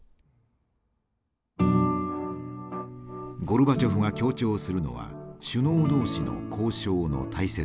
ゴルバチョフが強調するのは首脳同士の交渉の大切さ。